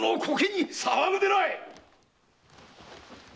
・騒ぐでない！